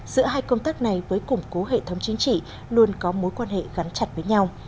giữa hai công tác này với củng cố hệ thống chính trị luôn có mối quan hệ gắn chặt với nhau